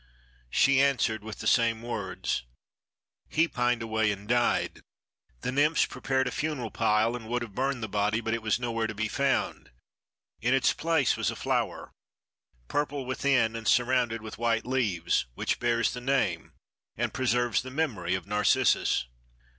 she answered with the same words. He pined away and died. The nymphs prepared a funeral pile and would have burned the body, but it was nowhere to be found; in its place was a flower, purple within and surrounded with white leaves, which bears the name and preserves the memory of Narcissus."